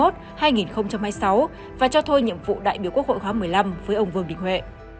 nhiệm kỳ hai nghìn hai mươi một hai nghìn hai mươi sáu và cho thôi nhiệm vụ đại biểu quốc hội khóa một mươi năm với ông vương đình huệ